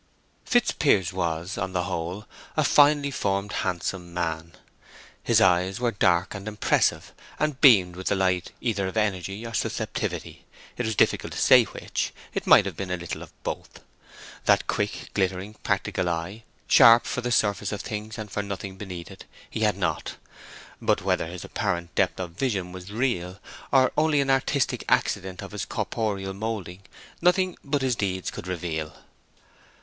Fitzpiers was, on the whole, a finely formed, handsome man. His eyes were dark and impressive, and beamed with the light either of energy or of susceptivity—it was difficult to say which; it might have been a little of both. That quick, glittering, practical eye, sharp for the surface of things and for nothing beneath it, he had not. But whether his apparent depth of vision was real, or only an artistic accident of his corporeal moulding, nothing but his deeds could reveal.